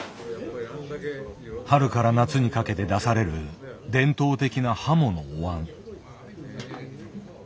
春から夏にかけて出される伝統的なハモのお椀。